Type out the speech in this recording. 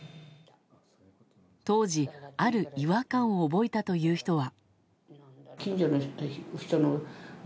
当時、ある違和感を覚えたという人は。